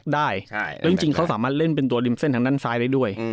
ได้แล้วจริงเขาสามารถเล่นเป็นตัวริมเส้นทางด้านซ้ายได้ด้วย